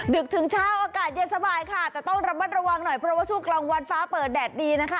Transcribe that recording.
ดึกถึงเช้าอากาศเย็นสบายค่ะแต่ต้องระมัดระวังหน่อยเพราะว่าช่วงกลางวันฟ้าเปิดแดดดีนะคะ